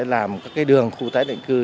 làm các đường khu tái định cư